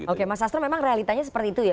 oke mas sastro memang realitanya seperti itu ya